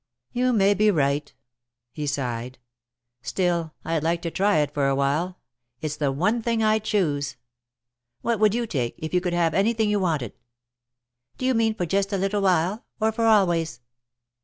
"You may be right," he sighed. "Still, I'd like to try it for a while. It's the one thing I'd choose. What would you take, if you could have anything you wanted?" "Do you mean for just a little while, or for always?"